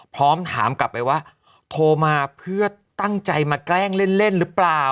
พร้อมถามกลับไปว่าโทรมาเพื่อตั้งใจมาแกล้งเล่นหรือเปล่า